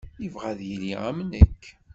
Yebɣa ad yili am nekk.